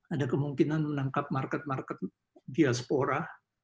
ada kemungkinan menangkap market market diaspora